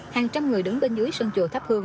hàng trăm người đứng bên dưới sân chùa tháp hương